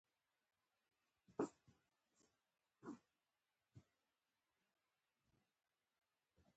دلته یې چې د پښتو څانګې زده کوونکو ته کومې سپارښتنې کړي دي،